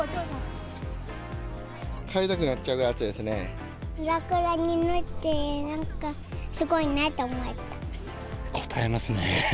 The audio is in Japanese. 帰りたくなっちゃうくらい暑ラクダに乗って、なんかすごこたえますね。